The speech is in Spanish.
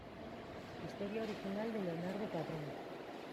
Historia original de Leonardo Padrón.